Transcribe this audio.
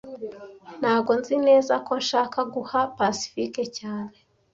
Ntago nzi neza ko nshaka guha Pacifique cyane